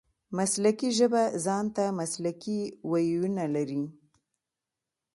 مسلکي ژبه ځان ته مسلکي وییونه لري.